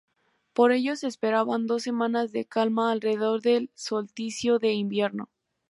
Por ello se esperaban dos semanas de calma alrededor del solsticio de invierno.